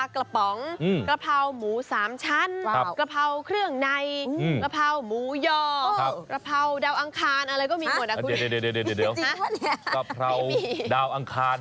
ก็เลยอยากจะให้คนทานของอร่อยด้วยได้เยอะด้วย